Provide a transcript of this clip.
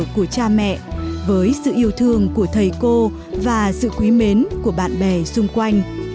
của cha mẹ với sự yêu thương của thầy cô và sự quý mến của bạn bè xung quanh